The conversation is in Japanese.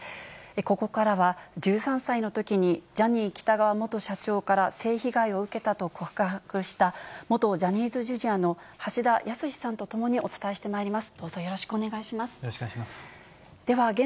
ここからは、１３歳のときにジャニー喜多川元社長から性被害を受けたと告白した、元ジャニーズＪｒ．の橋田康さんと共にお伝えしてまいります。